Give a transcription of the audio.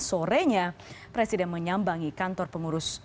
sorenya presiden menyambangi kantor pengurus